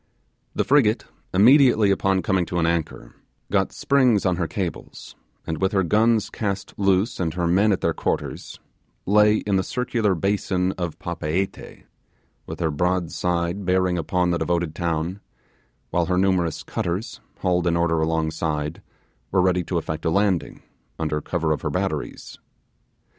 The frigate, immediately upon coming to an anchor, got springs on her cables, and with her guns cast loose and her men at their quarters, lay in the circular basin of Papeete, with her broadside bearing upon the devoted town; while her numerous cutters, hauled in order alongside, were ready to effect a landing, under cover of her batteries.